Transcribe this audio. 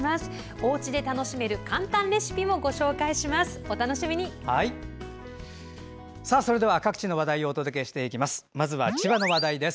おうちで楽しめる簡単レシピもご紹介します。